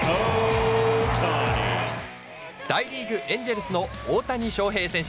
大リーグ・エンジェルスの大谷翔平選手。